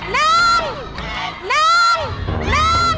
ตายแล้ว